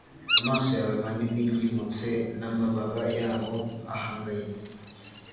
Amaso yawe manini yimutse namababa yabo ahangayitse